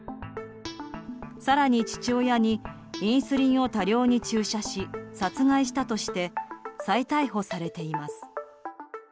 更に、父親にインスリンを多量に注射し殺害したとして再逮捕されています。